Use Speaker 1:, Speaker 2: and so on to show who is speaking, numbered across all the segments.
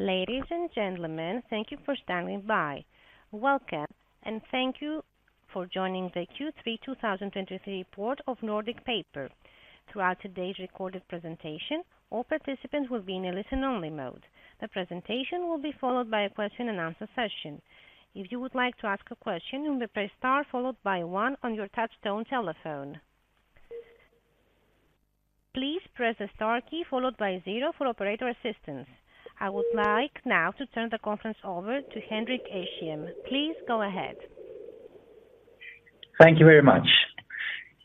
Speaker 1: Ladies and gentlemen, thank you for standing by. Welcome, and thank you for joining the Q3 2023 report of Nordic Paper. Throughout today's recorded presentation, all participants will be in a listen-only mode. The presentation will be followed by a question and answer session. If you would like to ask a question, you may press star followed by one on your touchtone telephone. Please press the star key followed by zero for operator assistance. I would like now to turn the conference over to Henrik Essén. Please go ahead.
Speaker 2: Thank you very much.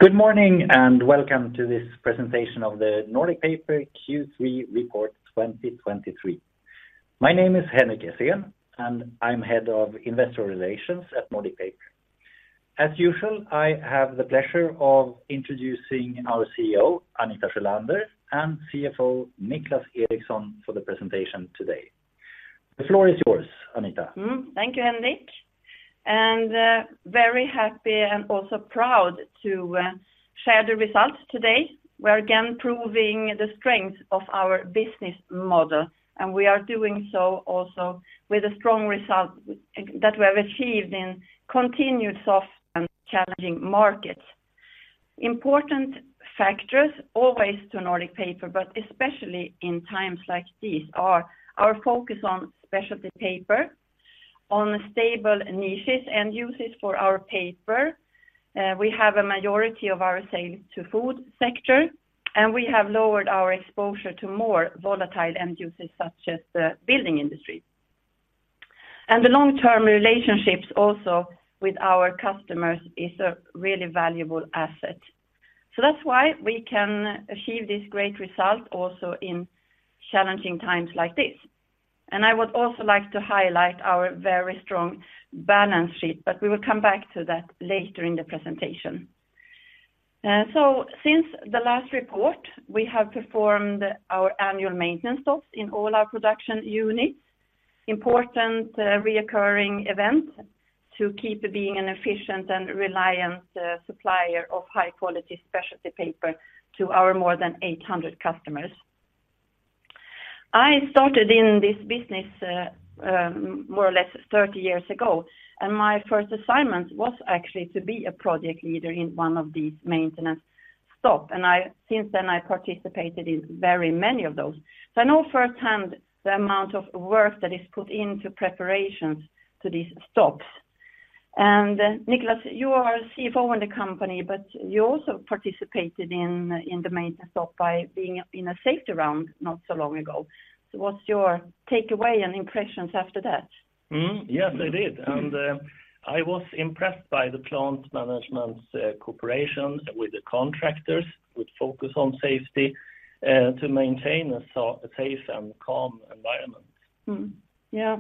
Speaker 2: Good morning, and welcome to this presentation of the Nordic Paper Q3 Report 2023. My name is Henrik Essén, and I'm Head of Investor Relations at Nordic Paper. As usual, I have the pleasure of introducing our CEO, Anita Sjölander, and CFO, Niclas Eriksson, for the presentation today. The floor is yours, Anita.
Speaker 3: Mm-hmm. Thank you, Henrik, and very happy and also proud to share the results today. We are again proving the strength of our business model, and we are doing so also with a strong result that we have achieved in continued soft and challenging markets. Important factors, always to Nordic Paper, but especially in times like these, are our focus on specialty paper, on stable niches and uses for our paper. We have a majority of our sales to food sector, and we have lowered our exposure to more volatile end uses, such as the building industry. And the long-term relationships also with our customers is a really valuable asset. So that's why we can achieve this great result also in challenging times like this. And I would also like to highlight our very strong balance sheet, but we will come back to that later in the presentation. So since the last report, we have performed our annual maintenance stops in all our production units, important, recurring events to keep being an efficient and reliable, supplier of high-quality specialty paper to our more than 800 customers. I started in this business, more or less 30 years ago, and my first assignment was actually to be a project leader in one of these maintenance stop, and since then, I participated in very many of those. So I know firsthand the amount of work that is put into preparations to these stops. And Niclas, you are CFO in the company, but you also participated in, in the maintenance stop by being in a safety round not so long ago. So what's your takeaway and impressions after that?
Speaker 4: Mm-hmm. Yes, I did. And, I was impressed by the plant management's cooperation with the contractors, with focus on safety, to maintain a safe and calm environment.
Speaker 3: Mm-hmm. Yeah.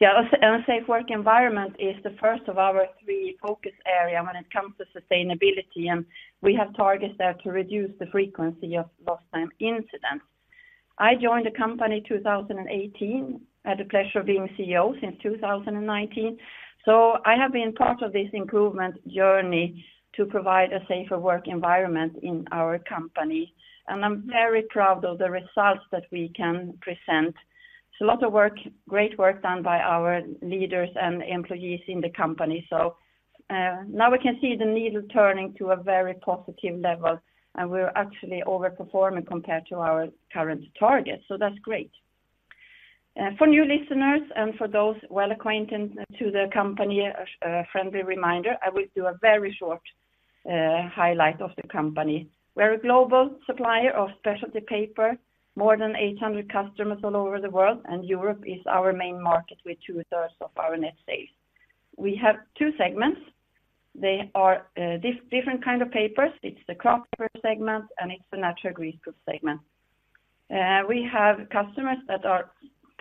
Speaker 3: Yeah, a safe work environment is the first of our three focus area when it comes to sustainability, and we have targets there to reduce the frequency of lost time incidents. I joined the company 2018. I had the pleasure of being CEO since 2019, so I have been part of this improvement journey to provide a safer work environment in our company, and I'm very proud of the results that we can present. It's a lot of work, great work done by our leaders and employees in the company. So, now we can see the needle turning to a very positive level, and we're actually overperforming compared to our current target, so that's great. For new listeners and for those well acquainted to the company, a friendly reminder, I will do a very short highlight of the company. We're a global supplier of specialty paper, more than 800 customers all over the world, and Europe is our main market, with 2/3 of our net sales. We have two segments. They are different kind of papers. It's the Kraft Paper segment, and it's the natural resource segment. We have customers that are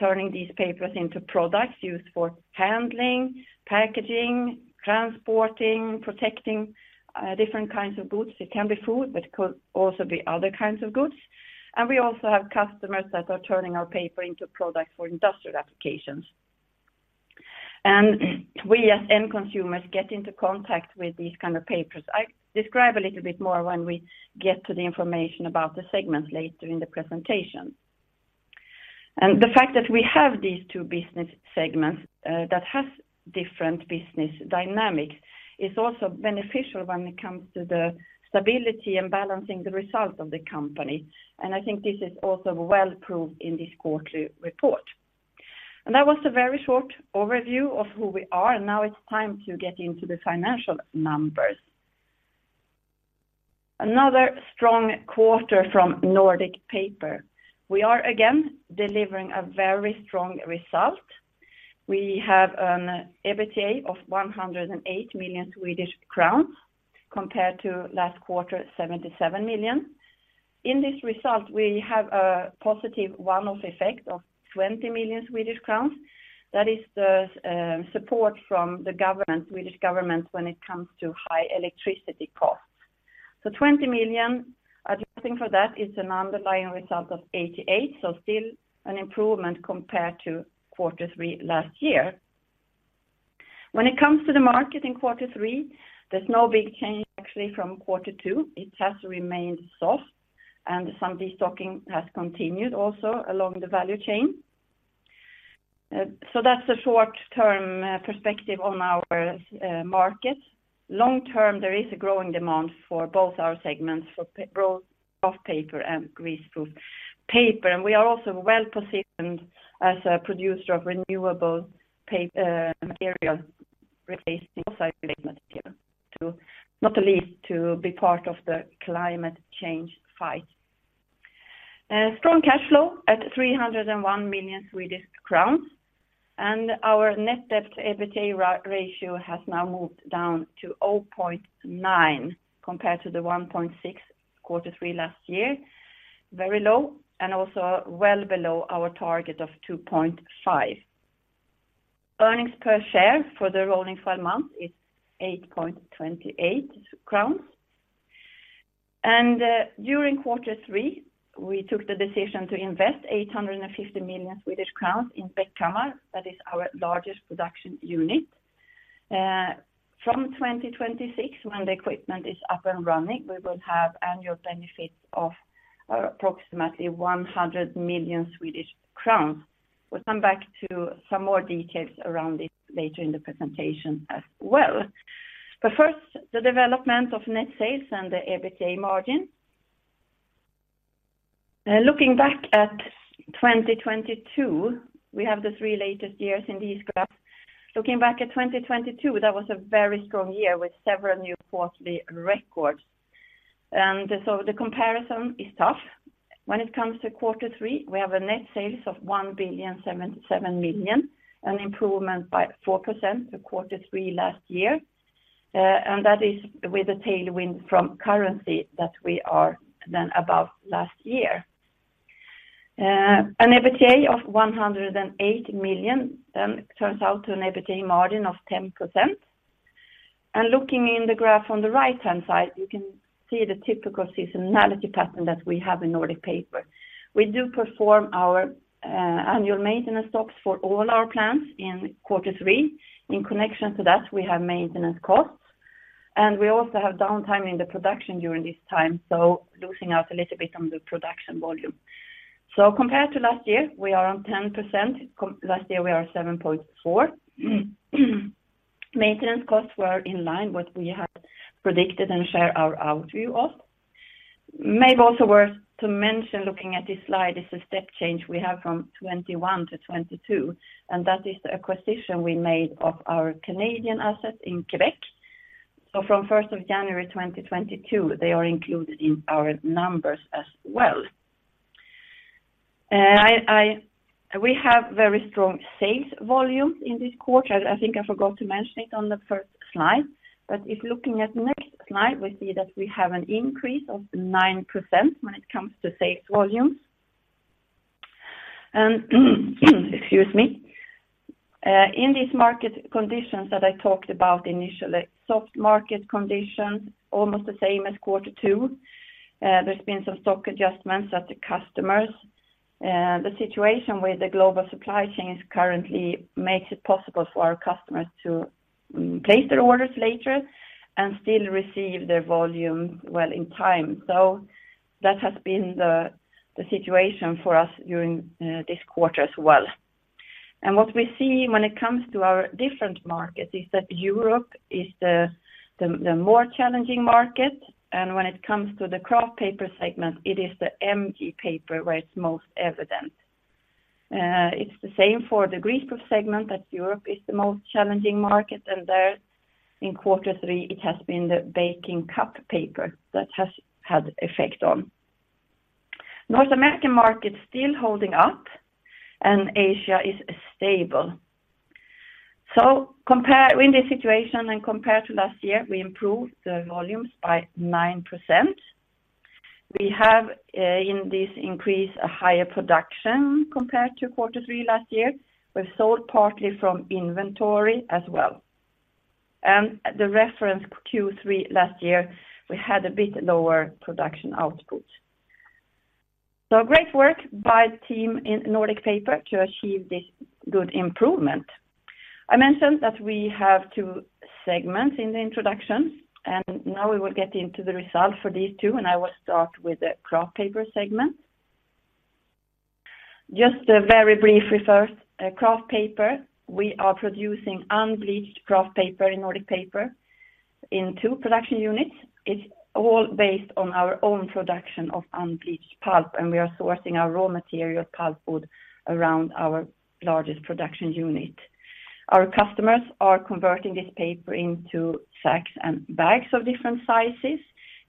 Speaker 3: turning these papers into products used for handling, packaging, transporting, protecting different kinds of goods. It can be food, but it could also be other kinds of goods. And we also have customers that are turning our paper into products for industrial applications. And we, as end consumers, get into contact with these kind of papers. I describe a little bit more when we get to the information about the segments later in the presentation. The fact that we have these two business segments, that has different business dynamics is also beneficial when it comes to the stability and balancing the results of the company. I think this is also well proved in this quarterly report. That was a very short overview of who we are, and now it's time to get into the financial numbers. Another strong quarter from Nordic Paper. We are again delivering a very strong result. We have an EBITDA of 108 million Swedish crowns, compared to last quarter, 77 million. In this result, we have a positive one-off effect of 20 million Swedish crowns. That is the support from the government, Swedish government, when it comes to high electricity costs. 20 million, adjusting for that, is an underlying result of 88, so still an improvement compared to quarter three last year. When it comes to the market in quarter three, there's no big change actually from quarter two. It has remained soft, and some de-stocking has continued also along the value chain. So that's a short-term perspective on our market. Long-term, there is a growing demand for both our segments, for Kraft Paper and greaseproof paper. And we are also well-positioned as a producer of renewable material, replacing synthetic material, not least to be part of the climate change fight. Strong cash flow at 301 million Swedish crowns, and our net debt to EBITDA ratio has now moved down to 0.9, compared to the 1.6, quarter three last year, very low, and also well below our target of 2.5. Earnings per share for the rolling twelve months is 8.28 crowns. And, during quarter three, we took the decision to invest 850 million Swedish crowns in Bäckhammar, that is our largest production unit. From 2026, when the equipment is up and running, we will have annual benefits of approximately 100 million Swedish crowns. We'll come back to some more details around this later in the presentation as well. But first, the development of net sales and the EBITDA margin. Looking back at 2022, we have the three latest years in these graphs. Looking back at 2022, that was a very strong year with several new quarterly records. And so the comparison is tough. When it comes to quarter three, we have a net sales of 1,077 million, an improvement by 4% to quarter three last year. And that is with a tailwind from currency that we are then above last year. An EBITDA of 108 million turns out to an EBITDA margin of 10%. And looking in the graph on the right-hand side, you can see the typical seasonality pattern that we have in Nordic Paper. We do perform our annual maintenance stops for all our plants in quarter three. In connection to that, we have maintenance costs, and we also have downtime in the production during this time, so losing out a little bit on the production volume. So compared to last year, we are on 10%, last year, we are 7.4. Maintenance costs were in line what we had predicted and share our outlook of. Maybe also worth to mention, looking at this slide, is a step change we have from 2021-2022, and that is the acquisition we made of our Canadian asset in Québec. So from first of January 2022, they are included in our numbers as well. We have very strong sales volumes in this quarter. I think I forgot to mention it on the first slide, but if looking at next slide, we see that we have an increase of 9% when it comes to sales volumes. Excuse me. In these market conditions that I talked about initially, soft market conditions, almost the same as quarter two, there's been some stock adjustments at the customers. The situation with the global supply chain is currently makes it possible for our customers to place their orders later and still receive their volume well in time. So that has been the situation for us during this quarter as well. What we see when it comes to our different markets is that Europe is the more challenging market, and when it comes to the Kraft Paper segment, it is the MG paper where it's most evident. It's the same for the greaseproof segment, that Europe is the most challenging market, and there in quarter three, it has been the baking cup paper that has had effect on. North American market still holding up, and Asia is stable. So compare, in this situation and compared to last year, we improved the volumes by 9%. We have, in this increase, a higher production compared to quarter three last year. We've sold partly from inventory as well. And the reference Q3 last year, we had a bit lower production output. So great work by team in Nordic Paper to achieve this good improvement. I mentioned that we have two segments in the introduction, and now we will get into the results for these two, and I will start with the Kraft Paper segment. Just a very brief resource. Kraft Paper, we are producing unbleached Kraft Paper in Nordic Paper in two production units. It's all based on our own production of unbleached pulp, and we are sourcing our raw material, pulpwood, around our largest production unit. Our customers are converting this paper into sacks and bags of different sizes.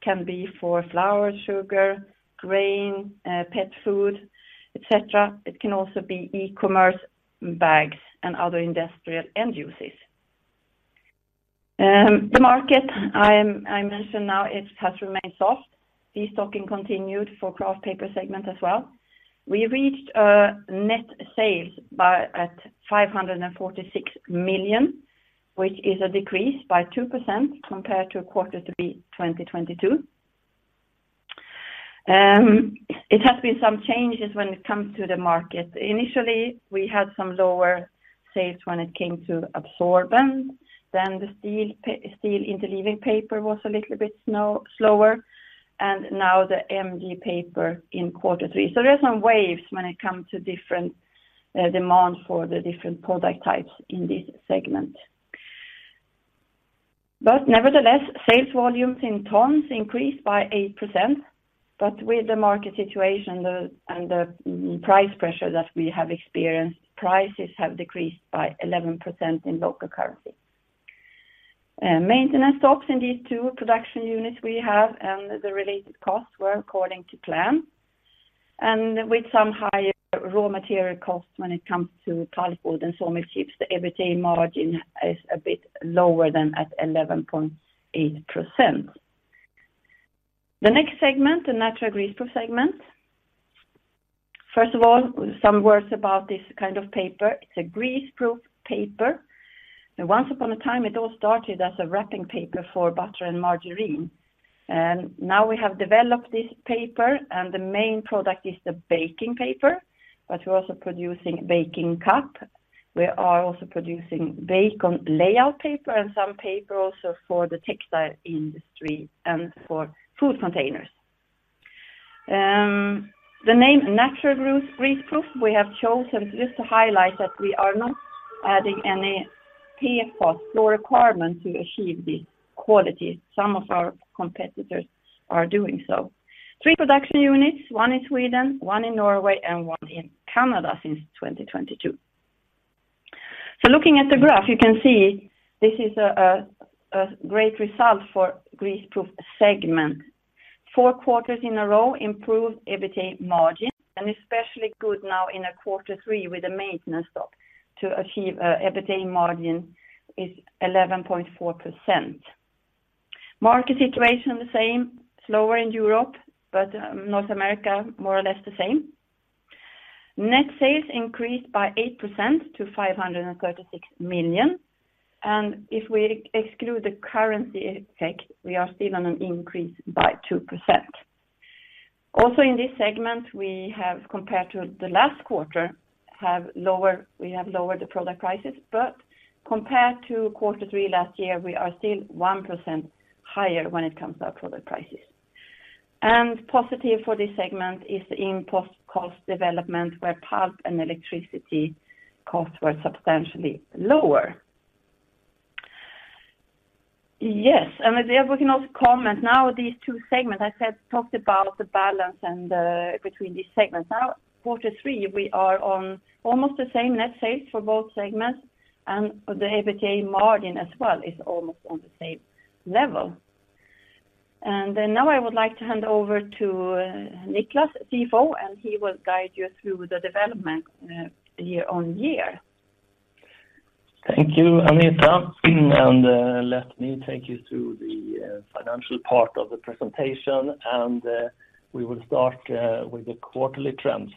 Speaker 3: Can be for flour, sugar, grain, pet food, et cetera. It can also be e-commerce bags and other industrial end uses. The market, I mention now, it has remained soft. Destocking continued for Kraft Paper segment as well. We reached net sales of 546 million, which is a decrease by 2% compared to quarter three 2022. It has been some changes when it comes to the market. Initially, we had some lower sales when it came to absorbent, then the steel, Steel Interleaving paper was a little bit slow, slower, and now the MG paper in quarter three. So there are some waves when it comes to different demand for the different product types in this segment. But nevertheless, sales volumes in tons increased by 8%, but with the market situation and the price pressure that we have experienced, prices have decreased by 11% in local currency. Maintenance stops in these two production units we have, and the related costs were according to plan. And with some higher raw material costs when it comes to pulpwood and sawmill chips, the EBITDA margin is a bit lower than at 11.8%. The next segment, the Natural Greaseproof segment. First of all, some words about this kind of paper. It's a greaseproof paper, and once upon a time, it all started as a wrapping paper for butter and margarine. Now we have developed this paper, and the main product is the baking paper, but we're also producing baking cup. We are also producing bacon layout paper and some paper also for the textile industry and for food containers. The name Natural Greaseproof, we have chosen just to highlight that we are not adding any PFAS or requirements to achieve this quality some of our competitors are doing so. Three production units, one in Sweden, one in Norway, and one in Canada since 2022. Looking at the graph, you can see this is a great result for Greaseproof segment. Four quarters in a row, improved EBITDA margin, and especially good now in quarter three with a maintenance stop to achieve an EBITDA margin is 11.4%. Market situation, the same, slower in Europe, but North America, more or less the same. Net sales increased by 8% to 536 million, and if we exclude the currency effect, we are still on an increase by 2%. Also in this segment, we have, compared to the last quarter, lowered the product prices, but compared to quarter three last year, we are still 1% higher when it comes to our product prices. Positive for this segment is the input cost development, where pulp and electricity costs were substantially lower. Yes, and we can also comment, now, these two segments, I said, talked about the balance and between these segments. Now, quarter three, we are on almost the same net sales for both segments, and the EBITDA margin as well is almost on the same level. And then now I would like to hand over to Niclas, CFO, and he will guide you through the development year on year.
Speaker 4: Thank you, Anita, and let me take you through the financial part of the presentation, and we will start with the quarterly trends.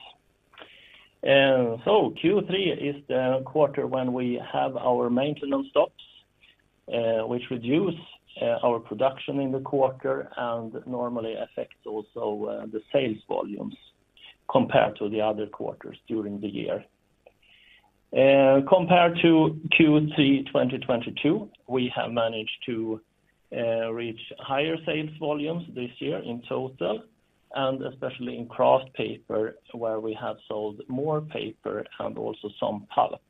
Speaker 4: So Q3 is the quarter when we have our maintenance stops, which reduce our production in the quarter and normally affect also the sales volumes compared to the other quarters during the year. Compared to Q3 2022, we have managed to reach higher sales volumes this year in total, and especially in Kraft Paper, where we have sold more paper and also some pulp.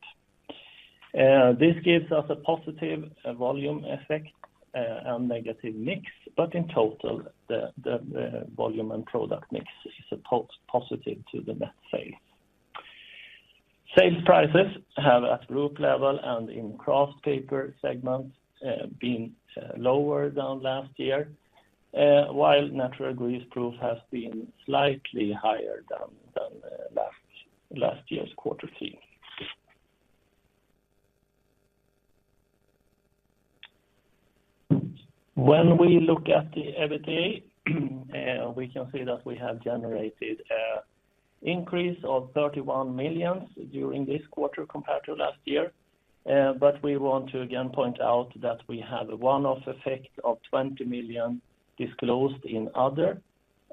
Speaker 4: This gives us a positive volume effect and negative mix, but in total, the volume and product mix is a positive to the net sales. Sales prices have, at group level and in Kraft Paper segments, been lower than last year, while Natural Greaseproof has been slightly higher than last year's quarter three. When we look at the EBITDA, we can see that we have generated an increase of 31 million during this quarter compared to last year, but we want to again point out that we have a one-off effect of 20 million disclosed in other,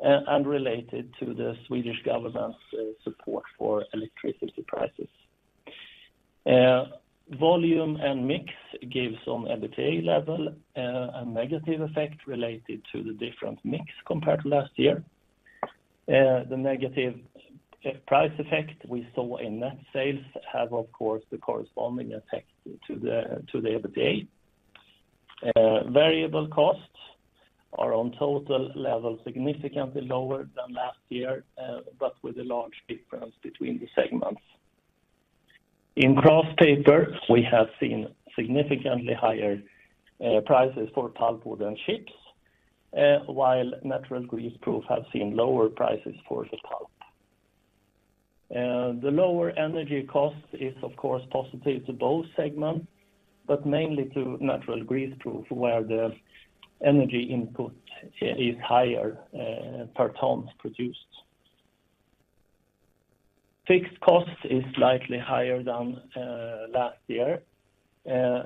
Speaker 4: and related to the Swedish government's support for electricity prices. Volume and mix gives on EBITDA level a negative effect related to the different mix compared to last year. The negative price effect we saw in net sales have, of course, the corresponding effect to the EBITDA. Variable costs are on total level, significantly lower than last year, but with a large difference between the segments. In Kraft Paper, we have seen significantly higher prices for pulpwood and chips, while Natural Greaseproof have seen lower prices for the pulp. The lower energy cost is, of course, positive to both segments, but mainly to Natural Greaseproof, where the energy input is higher per ton produced. Fixed cost is slightly higher than last year,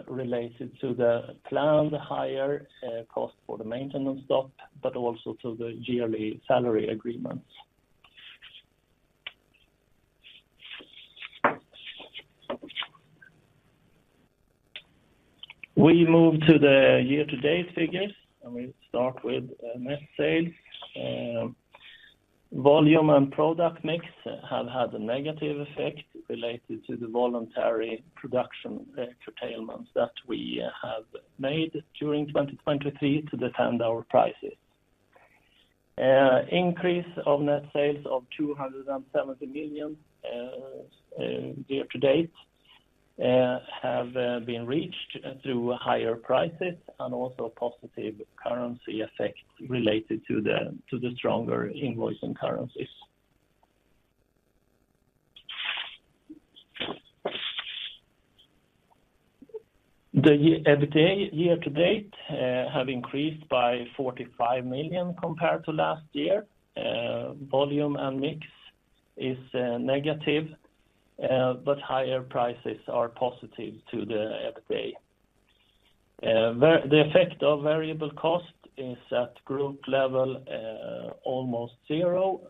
Speaker 4: related to the planned higher cost for the maintenance stop, but also to the yearly salary agreements. We move to the year-to-date figures, and we start with net sales. Volume and product mix have had a negative effect related to the voluntary production curtailments that we have made during 2023 to defend our prices. Increase of net sales of 270 million year to date have been reached through higher prices and also positive currency effects related to the stronger invoicing currencies. The year EBITDA year to date have increased by 45 million compared to last year. Volume and mix is negative, but higher prices are positive to the EBITDA. The effect of variable cost is at group level almost zero,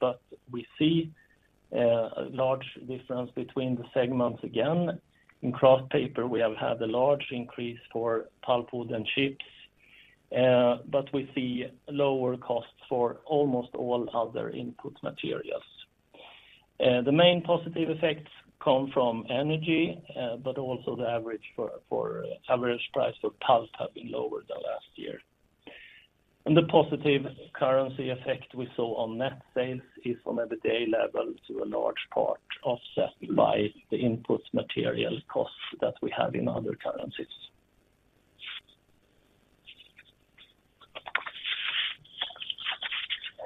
Speaker 4: but we see a large difference between the segments again. In Kraft Paper, we have had a large increase for pulpwood and chips, but we see lower costs for almost all other input materials. The main positive effects come from energy, but also the average price for pulp have been lower than last year. The positive currency effect we saw on net sales is from EBITDA level to a large part, offset by the input material costs that we have in other currencies.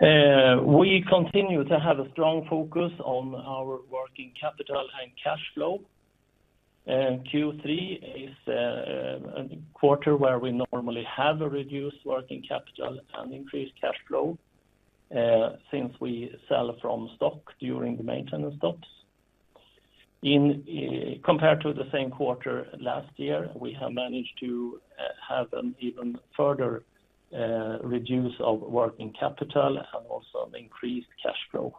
Speaker 4: We continue to have a strong focus on our working capital and cash flow. Q3 is a quarter where we normally have a reduced working capital and increased cash flow, since we sell from stock during the maintenance stops. In compared to the same quarter last year, we have managed to have an even further reduce of working capital and also an increased cash flow.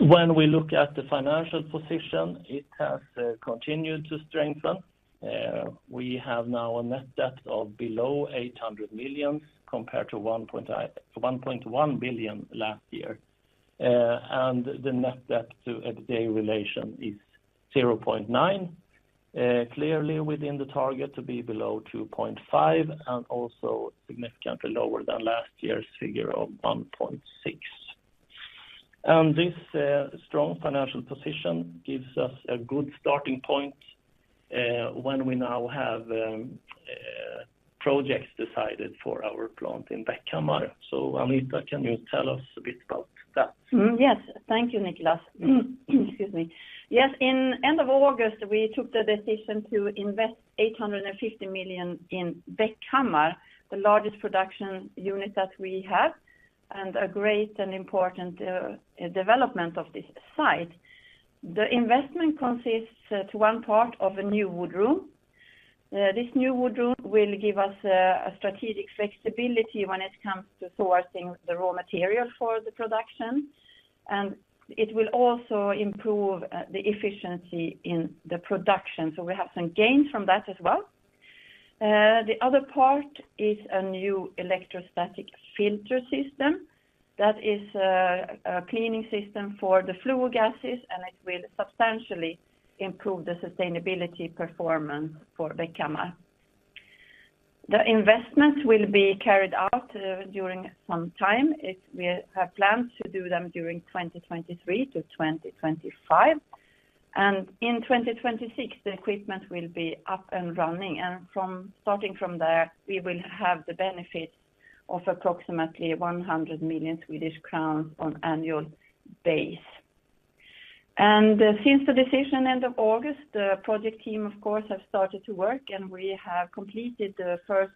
Speaker 4: When we look at the financial position, it has continued to strengthen. We have now a net debt of below 800 million, compared to 1.1 billion last year. The net debt to EBITDA relation is 0.9, clearly within the target to be below 2.5, and also significantly lower than last year's figure of 1.6. This strong financial position gives us a good starting point, when we now have projects decided for our plant in Bäckhammar. So, Anita, can you tell us a bit about that?
Speaker 3: Yes. Thank you, Niclas. Excuse me. Yes, at the end of August, we took the decision to invest 850 million in Bäckhammar, the largest production unit that we have, and a great and important development of this site. The investment consists of one part of a new wood room. This new wood room will give us a strategic flexibility when it comes to sourcing the raw material for the production, and it will also improve the efficiency in the production. So we have some gains from that as well. The other part is a new electrostatic filter system, that is a cleaning system for the flue gases, and it will substantially improve the sustainability performance for Bäckhammar. The investment will be carried out during some time. We have plans to do them during 2023-2025, and in 2026, the equipment will be up and running. And from, starting from there, we will have the benefit of approximately 100 million Swedish crowns on annual basis. And since the decision end of August, the project team, of course, have started to work, and we have completed the first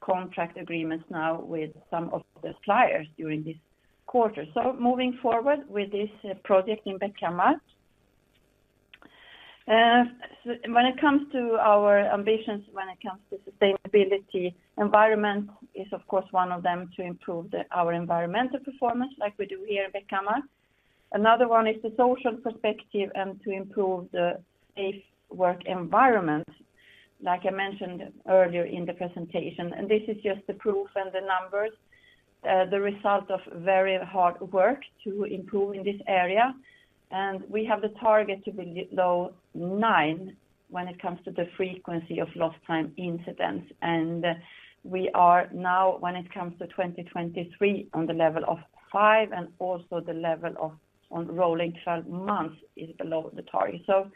Speaker 3: contract agreements now with some of the suppliers during this quarter. So moving forward with this project in Bäckhammar. So when it comes to our ambitions, when it comes to sustainability, environment is, of course, one of them to improve the, our environmental performance, like we do here in Bäckhammar. Another one is the social perspective and to improve the safe work environment, like I mentioned earlier in the presentation, and this is just the proof and the numbers, the result of very hard work to improve in this area. And we have the target to be below 9 when it comes to the frequency of lost time incidents. And we are now, when it comes to 2023, on the level of 5, and also the level of on rolling 12 months is below the target. So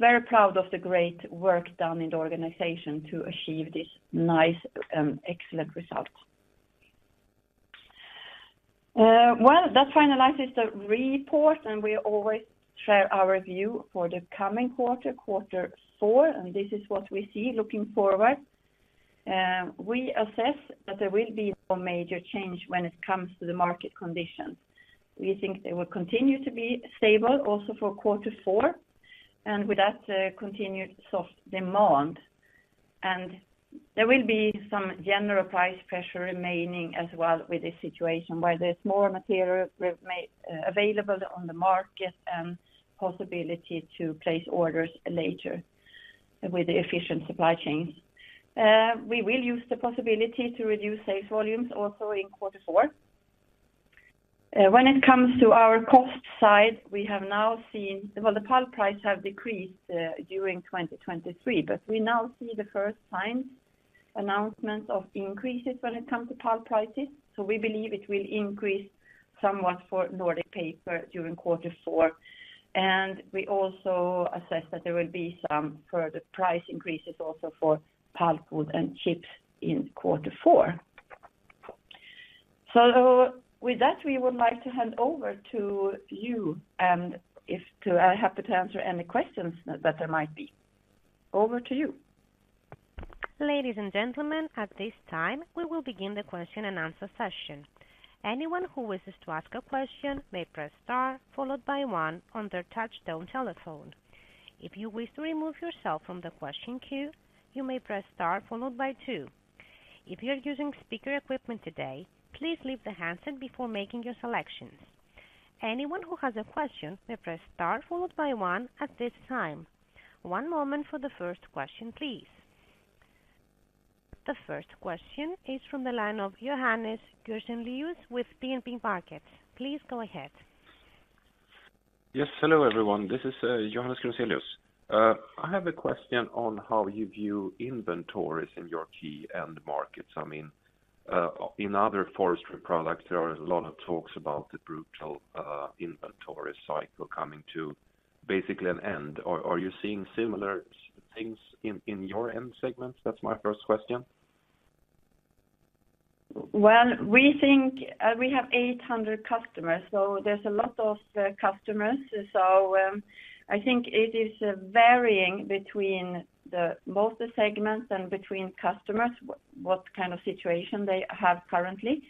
Speaker 3: very proud of the great work done in the organization to achieve this nice, excellent result. Well, that finalizes the report, and we always share our view for the coming quarter, quarter four, and this is what we see looking forward. We assess that there will be no major change when it comes to the market conditions. We think they will continue to be stable also for quarter four, and with that, continued soft demand. There will be some general price pressure remaining as well with this situation, where there's more material remade available on the market and possibility to place orders later with the efficient supply chains. We will use the possibility to reduce sales volumes also in quarter four. When it comes to our cost side, we have now seen, well, the pulp price have decreased during 2023, but we now see the first signs, announcements of increases when it comes to pulp prices. So we believe it will increase somewhat for Nordic Paper during quarter four. We also assess that there will be some further price increases also for pulpwood and chips in quarter four. So with that, we would like to hand over to you, and we're happy to answer any questions that there might be. Over to you.
Speaker 1: Ladies and gentlemen, at this time, we will begin the question and answer session. Anyone who wishes to ask a question may press star, followed by one on their touchtone telephone. If you wish to remove yourself from the question queue, you may press star followed by two. If you're using speaker equipment today, please leave the handset before making your selections. Anyone who has a question may press star followed by one at this time. One moment for the first question, please. The first question is from the line of Johannes Grunselius with DNB Markets. Please go ahead.
Speaker 5: Yes, hello, everyone. This is Johannes Grunselius. I have a question on how you view inventories in your key end markets. I mean, in other forestry products, there are a lot of talks about the brutal inventory cycle coming to basically an end. Are you seeing similar things in your end segments? That's my first question.
Speaker 3: Well, we think, we have 800 customers, so there's a lot of, customers. So, I think it is varying between the, both the segments and between customers, what kind of situation they have currently.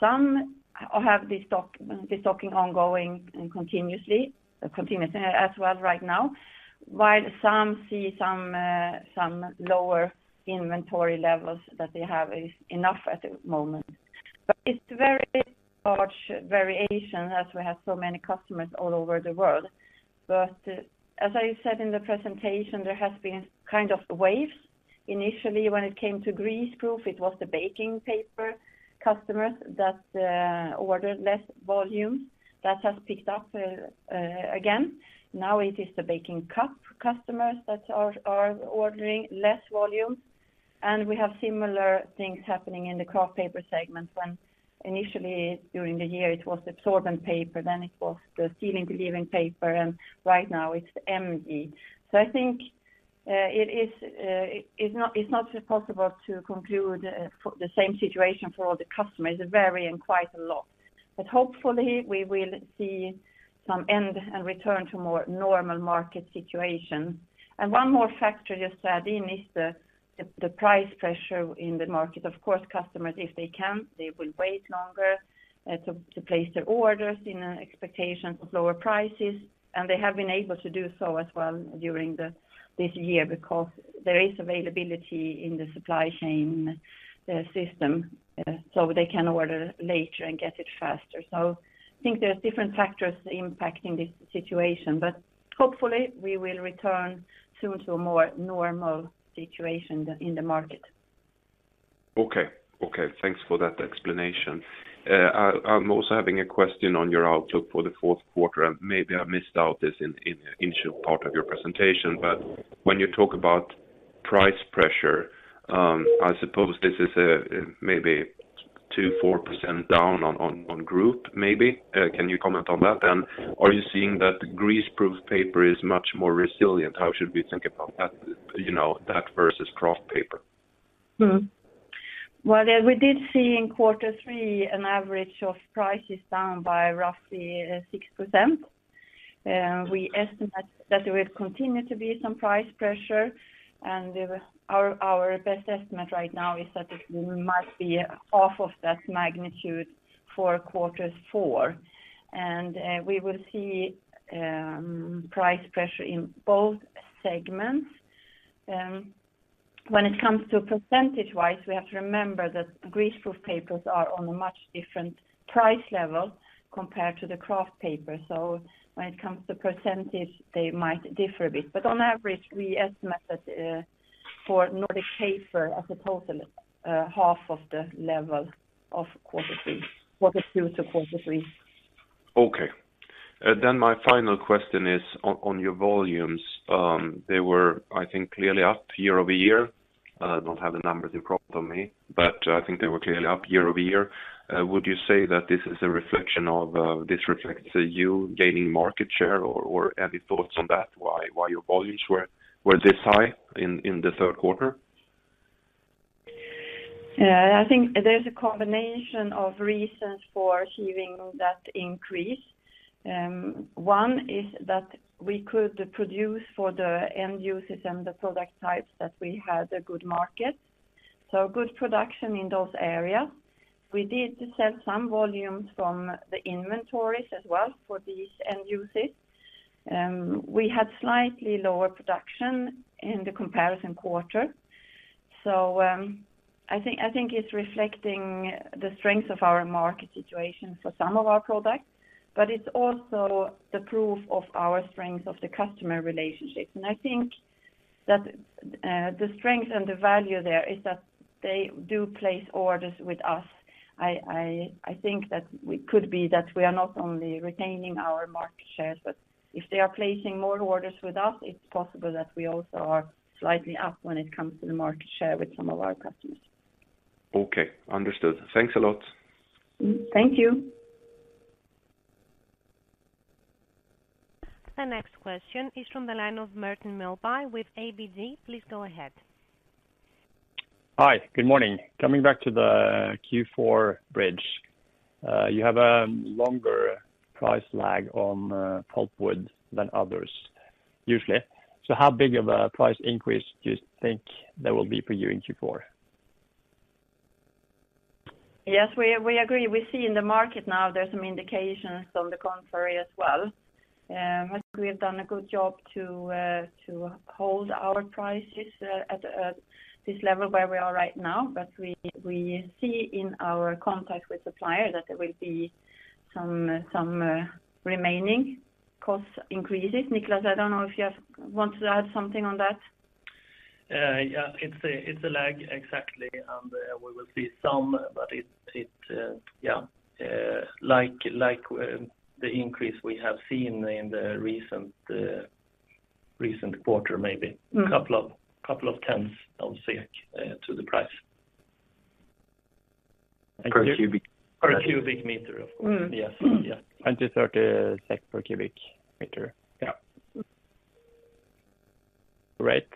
Speaker 3: Some have the stock, the stocking ongoing and continuously, continuously as well right now, while some see some, some lower inventory levels that they have is enough at the moment. But it's very large variation as we have so many customers all over the world. But as I said in the presentation, there has been kind of waves. Initially, when it came to Greaseproof, it was the baking paper customers that, ordered less volumes. That has picked up, again. Now it is the baking cup customers that are ordering less volumes, and we have similar things happening in the Kraft Paper segment, when initially during the year, it was absorbent paper, then it was the Steel Interleaving paper, and right now it's the MG. So I think it is, it's not, it's not possible to conclude for the same situation for all the customers. It's varying quite a lot. But hopefully, we will see some end and return to more normal market situation. And one more factor, just to add in, is the price pressure in the market. Of course, customers, if they can, they will wait longer to place their orders in an expectation of lower prices, and they have been able to do so as well during this year because there is availability in the supply chain system, so they can order later and get it faster. So I think there are different factors impacting this situation, but hopefully, we will return soon to a more normal situation in the market.
Speaker 5: Okay. Okay, thanks for that explanation. I'm also having a question on your outlook for the fourth quarter, and maybe I missed out this in initial part of your presentation. But when you talk about price pressure, I suppose this is a maybe 2%-4% down on group, maybe. Can you comment on that? And are you seeing that Greaseproof paper is much more resilient? How should we think about that, you know, that versus Kraft Paper?
Speaker 3: Mm-hmm. Well, we did see in quarter three, an average of prices down by roughly 6%. We estimate that there will continue to be some price pressure, and our best estimate right now is that it might be half of that magnitude for quarter four. And we will see price pressure in both segments. When it comes to percentage-wise, we have to remember that greaseproof papers are on a much different price level compared to the Kraft Paper. So when it comes to percentage, they might differ a bit. But on average, we estimate that for Nordic Paper as a total, half of the level of quarter three, quarter two to quarter three.
Speaker 5: Okay. Then my final question is on, on your volumes. They were, I think, clearly up year-over-year. I don't have the numbers in front of me, but I think they were clearly up year-over-year. Would you say that this is a reflection of, this reflects you gaining market share, or, or any thoughts on that, why, why your volumes were, were this high in, in the third quarter?...
Speaker 3: Yeah, I think there's a combination of reasons for achieving that increase. One is that we could produce for the end users and the product types that we had a good market, so good production in those areas. We did sell some volumes from the inventories as well for these end users. We had slightly lower production in the comparison quarter. So, I think it's reflecting the strength of our market situation for some of our products, but it's also the proof of our strength of the customer relationships. And I think that the strength and the value there is that they do place orders with us. I think that we could be, that we are not only retaining our market shares, but if they are placing more orders with us, it's possible that we also are slightly up when it comes to the market share with some of our customers.
Speaker 5: Okay, understood. Thanks a lot.
Speaker 3: Thank you.
Speaker 1: The next question is from the line of Martin Melbye with ABG. Please go ahead.
Speaker 6: Hi. Good morning. Coming back to the Q4 bridge, you have a longer price lag on pulpwood than others, usually. So how big of a price increase do you think there will be for you in Q4?
Speaker 3: Yes, we agree. We see in the market now there are some indications on the contrary as well. I think we have done a good job to hold our prices at this level where we are right now. But we see in our contact with suppliers that there will be some remaining cost increases. Niclas, I don't know if you want to add something on that?
Speaker 4: Yeah, it's a lag, exactly, and we will see some, but it yeah, like the increase we have seen in the recent quarter, maybe.
Speaker 3: Mm.
Speaker 4: A couple of tens of SEK to the price.
Speaker 6: Per cubic?
Speaker 4: Per cu m, of course.
Speaker 3: Mm.
Speaker 2: Yes, yes.
Speaker 6: 20-30 SEK per cu m.
Speaker 2: Yeah.
Speaker 6: Great.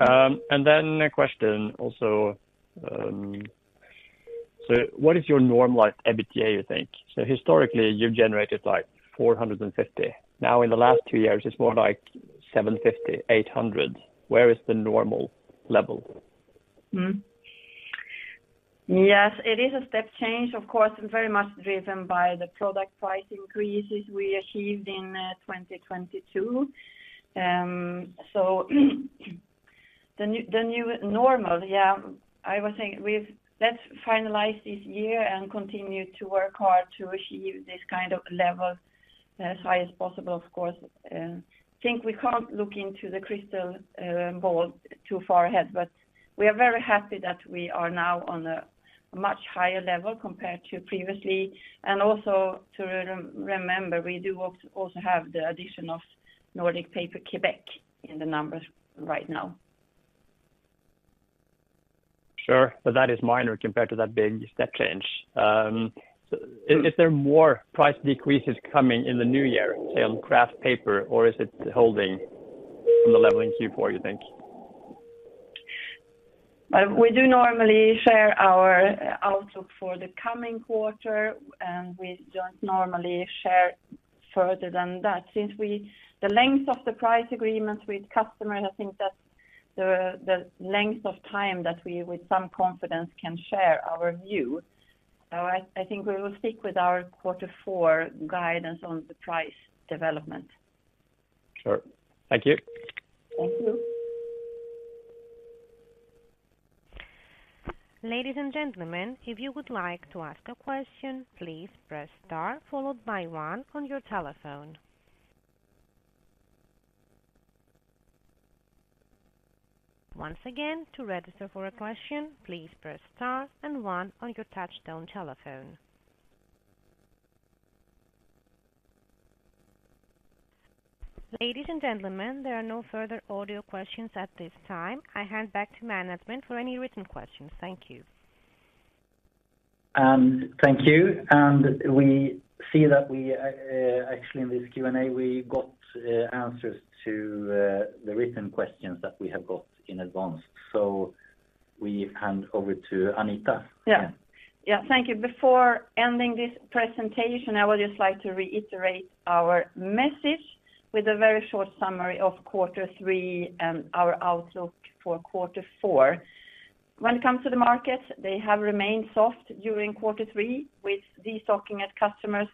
Speaker 6: And then a question also, so what is your normalized EBITDA, you think? So historically, you've generated, like, 450. Now, in the last two years, it's more like 750-800. Where is the normal level?
Speaker 3: Yes, it is a step change, of course, very much driven by the product price increases we achieved in 2022. So, the new, the new normal, yeah, I would say we've—Let's finalize this year and continue to work hard to achieve this kind of level, as high as possible, of course. I think we can't look into the crystal ball too far ahead, but we are very happy that we are now on a much higher level compared to previously. And also to re-remember, we do also have the addition of Nordic Paper Québec in the numbers right now.
Speaker 6: Sure, but that is minor compared to that big step change.
Speaker 3: Mm.
Speaker 6: Is there more price decreases coming in the new year, say, on Kraft Paper, or is it holding from the level in Q4, you think?
Speaker 3: We do normally share our outlook for the coming quarter, and we don't normally share further than that. The length of the price agreement with customers, I think that's the length of time that we, with some confidence, can share our view. So I think we will stick with our quarter four guidance on the price development.
Speaker 6: Sure. Thank you.
Speaker 3: Thank you.
Speaker 1: Ladies and gentlemen, if you would like to ask a question, please press star followed by one on your telephone. Once again, to register for a question, please press star and one on your touchtone telephone. Ladies and gentlemen, there are no further audio questions at this time. I hand back to management for any written questions. Thank you.
Speaker 4: Thank you. And we see that we actually, in this Q&A, we got answers to the written questions that we have got in advance. So we hand over to Anita.
Speaker 3: Yeah. Yeah, thank you. Before ending this presentation, I would just like to reiterate our message with a very short summary of quarter three and our outlook for quarter four. When it comes to the market, they have remained soft during quarter three, with destocking at customers,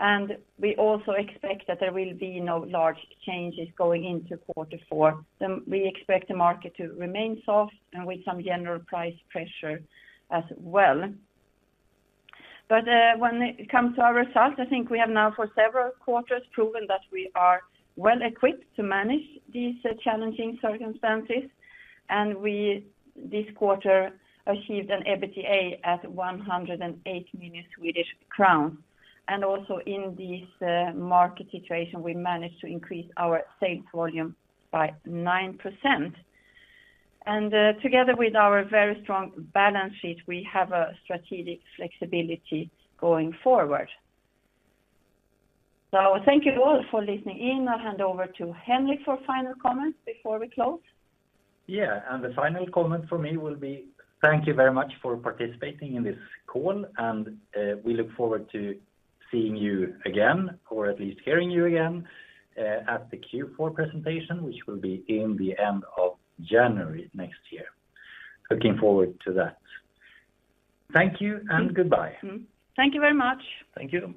Speaker 3: and we also expect that there will be no large changes going into quarter four. We expect the market to remain soft and with some general price pressure as well. But, when it comes to our results, I think we have now, for several quarters, proven that we are well-equipped to manage these challenging circumstances. And we, this quarter, achieved an EBITDA at 108 million Swedish crowns. And also in this, market situation, we managed to increase our sales volume by 9%. Together with our very strong balance sheet, we have a strategic flexibility going forward. Thank you all for listening in. I'll hand over to Henrik for final comments before we close.
Speaker 2: Yeah, and the final comment from me will be: thank you very much for participating in this call, and we look forward to seeing you again, or at least hearing you again, at the Q4 presentation, which will be in the end of January next year. Looking forward to that. Thank you and goodbye.
Speaker 3: Mm-hmm. Thank you very much.
Speaker 2: Thank you.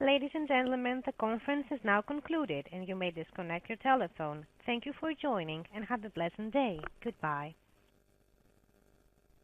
Speaker 1: Ladies and gentlemen, the conference is now concluded, and you may disconnect your telephone. Thank you for joining, and have a pleasant day. Goodbye.